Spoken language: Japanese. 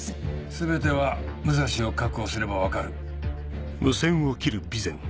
全ては武蔵を確保すれば分かる。